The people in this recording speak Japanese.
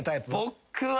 僕は。